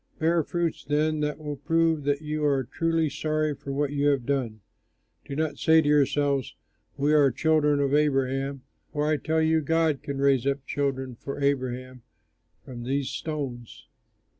Bear fruits, then, that will prove that you are truly sorry for what you have done. Do not say to yourselves, 'We are children of Abraham'; for I tell you, God can raise up children for Abraham from these stones.